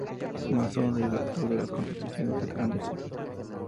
Masón y redactor de las Constituciones de Anderson.